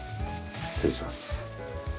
失礼します。